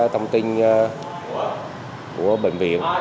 thông tin của bệnh viện